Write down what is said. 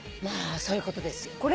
まあそういうことですよ。